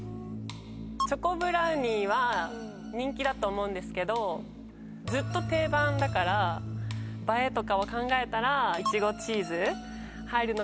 チョコブラウニーは人気だと思うんですけどずっと定番だから映えとかを考えたらいちごチーズ入るのかなと思うんですけど。